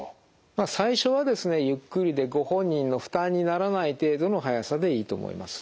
まあ最初はですねゆっくりでご本人の負担にならない程度の速さでいいと思います。